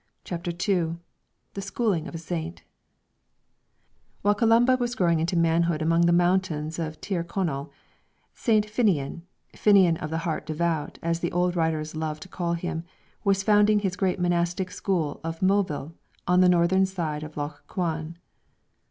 CHAPTER II THE SCHOOLING OF A SAINT WHILE Columba was growing into manhood among the mountains of Tir Connell, St. Finnian, "Finnian of the Heart Devout" as the old writers love to call him, was founding his great monastic school of Moville on the northern side of Lough Cuan.